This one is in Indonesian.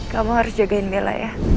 kamu harus jagain bella ya